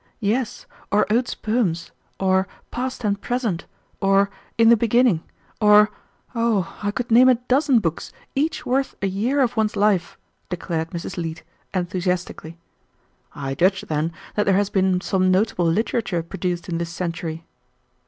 "Yes, or Oates' poems, or 'Past and Present,' or, 'In the Beginning,' or oh, I could name a dozen books, each worth a year of one's life," declared Mrs. Leete, enthusiastically. "I judge, then, that there has been some notable literature produced in this century."